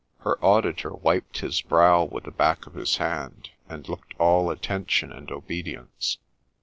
Her auditor wiped his brow with the back of his hand, and looked all attention and obedience.